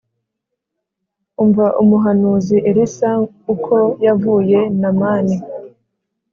umva umuhanuzi elisa, uko yavuye namani;